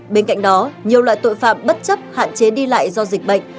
bên cạnh đó nhiều loại tội phạm bất chấp hạn chế đi lại do dịch bệnh